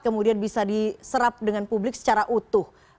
kemudian bisa diserap dengan publik secara utuh